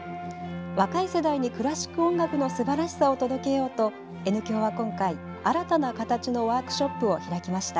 若い世代にクラシック音楽のすばらしさを届けようとＮ響は今回、新たな形のワークショップを開きました。